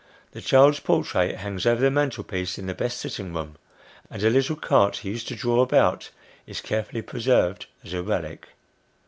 The child's portrait hangs over the mantelpiece in the best sitting room, and a little cart he used to draw about, is carefully preserved as a relic.